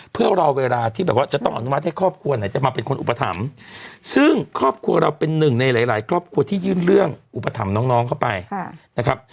เพื่อรอเวลาที่แบบว่าจะต้องอนุมัติให้ครอบครัวไหนจะมาเป็นคนอุปถัมภ์ซึ่งครอบครัวเราเป็นหนึ่งในหลายครอบครัวที่ยื่นเรื่องอุปถัมภ์น้องเข้าไปนะครับ